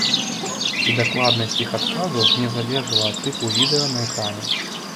І дакладнасць іх адказаў не залежала ад тыпу відэа на экране.